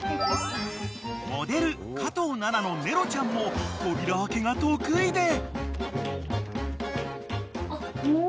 ［モデル加藤ナナのネロちゃんも扉開けが得意で］